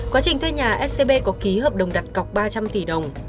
quá trình thuê nhà scb có ký hợp đồng đặt cọc ba trăm linh tỷ đồng